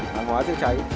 hàng hóa chế cháy